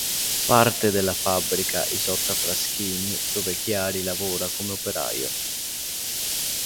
Parte dalla fabbrica Isotta Fraschini dove Chiari lavora come operaio.